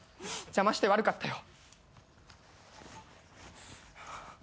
邪魔して悪かったよ。